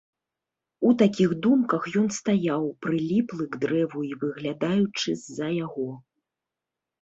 У такіх думках ён стаяў, прыліплы к дрэву і выглядаючы з-за яго.